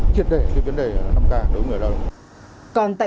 triệt đề cái vấn đề năm k đối với người lao động